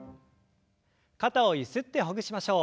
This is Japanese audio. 肩をゆすってほぐしましょう。